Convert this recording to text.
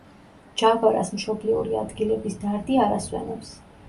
ჯავარას მშობლიური ადგილების დარდი არ ასვენებს.